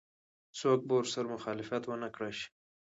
څوک به ورسره مخالفت ونه کړای شي.